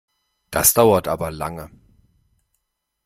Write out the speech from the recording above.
Das dauert aber lange!